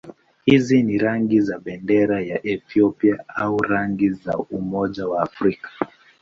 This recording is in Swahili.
Hizi ni rangi za bendera ya Ethiopia au rangi za Umoja wa Afrika.